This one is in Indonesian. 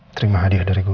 terima hadiah dari gue